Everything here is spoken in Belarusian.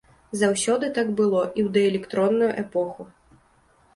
Заўсёды так было, і ў даэлектронную эпоху.